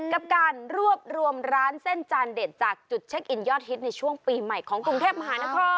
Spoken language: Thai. กับการรวบรวมร้านเส้นจานเด็ดจากจุดเช็คอินยอดฮิตในช่วงปีใหม่ของกรุงเทพมหานคร